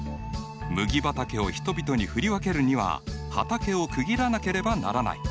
麦畑を人々に振り分けるには畑を区切らなければならない。